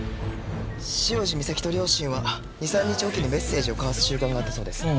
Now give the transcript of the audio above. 潮路岬と両親は２３日おきにメッセージを交わす習慣があったそうです。